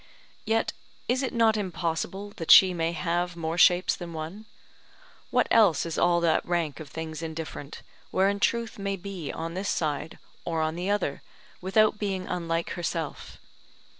Yet is it not impossible that she may have more shapes than one. What else is all that rank of things indifferent, wherein Truth may be on this side or on the other, without being unlike herself?